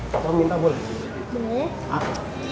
kamu minta boleh